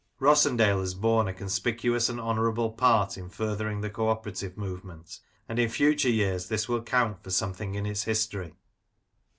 Rossendale has borne a conspicuous and honourable part in furthering the Co operative movement, and in future years this will count for something in its history.